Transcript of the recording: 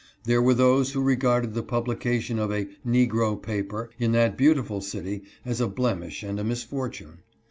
There were those who regarded the publication of a "Negro paper" in that beautiful city as a blemish and a misfortune.